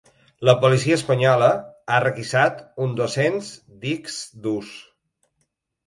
La policia espanyola ha requisat uns dos-cents discs durs.